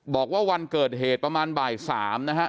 บอกว่าวันเกิดเหตุประมาณบ่าย๓นะฮะ